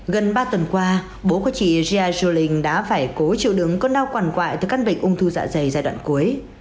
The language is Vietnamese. gần ba tuần qua bố của chị ria joling đã phải cố chịu đứng con đau quản quại từ căn bệnh ung thư dạ dày giai đoạn cuối